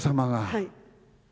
はい。